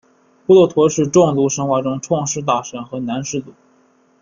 布洛陀是壮族神话中的创世大神和男始祖。